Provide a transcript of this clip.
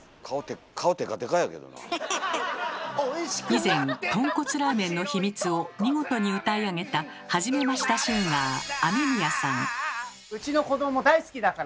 以前とんこつラーメンの秘密を見事に歌い上げたはじめましたシンガーＡＭＥＭＩＹＡさん。